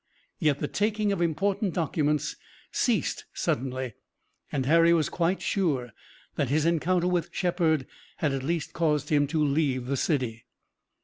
Yet the taking of important documents ceased suddenly, and Harry was quite sure that his encounter with Shepard had at least caused him to leave the city.